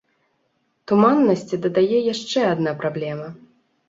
Туманнасці дадае яшчэ адна праблема.